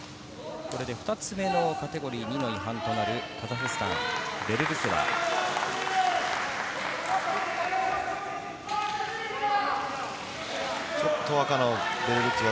２つ目のカテゴリー２の違反となるカザフスタン、ベルルツェワ。